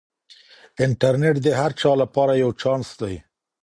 انټرنیټ د هر چا لپاره یو چانس دی.